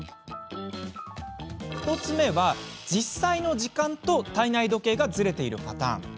１つ目は実際の時間と体内時計がずれているパターン。